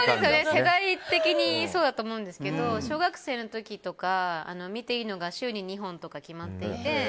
世代的にそうだと思うんですけど小学生の時とかは見ていいのが週に２本とか決まっていて。